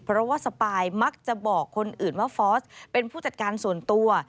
เพราะว่าสปายมักจะบอกคนอื่นว่าฟอร์สเป็นผู้จัดการส่วนตัว